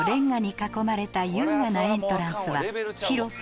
囲まれた優雅なエントランスは広さ